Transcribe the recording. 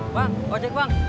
bang ojek bang